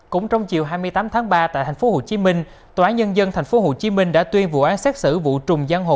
cũng trong chiều hai mươi tám tháng ba tại tp hcm tòa án nhân dân tp hcm đã tuyên vụ án xét xử vụ trùng giang hồ